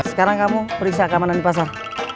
sekarang kamu periksa keamanan di pasar